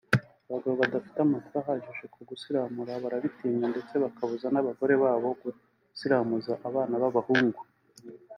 Abagabo badafite amakuru ahagije ku gusiramura barabitinya ndetse bakabuza n’abagore babo gusiramuza abana b’abahungu